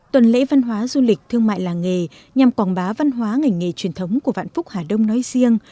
tuần lễ văn hóa du lịch thương mại làng nghề nhằm quảng bá văn hóa ngành nghề truyền thống của vạn phúc hà đông nói riêng